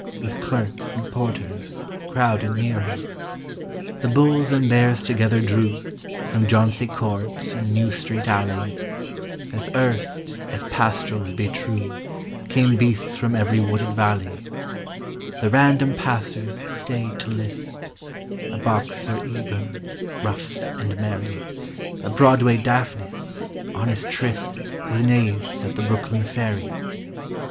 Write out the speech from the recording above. With clerks and porters, crowded near him. The hulls and hears together drew From Jauncey Court and New Street Alley, As erst, if pastorals be true, Came beasts from every wooded valley; The random passers stayed to list, — A boxer iEgon, rough and merry, A Broadway Daphnis, on his tryst With Xais at the Brooklyn Ferry.